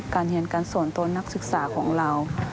เรียนการส่วนตัวนักศึกษาของเรา